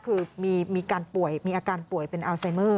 คือมีอาการป่วยเป็นอัลไซเมอร์